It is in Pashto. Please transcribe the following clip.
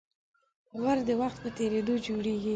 باور د وخت په تېرېدو جوړېږي.